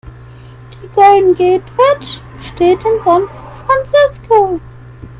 Die Golden Gate Bridge steht in San Francisco.